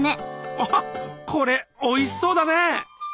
あっこれおいしそうだね！